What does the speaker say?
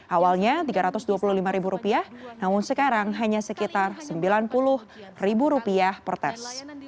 awalnya rp tiga ratus dua puluh lima namun sekarang hanya sekitar rp sembilan puluh per tes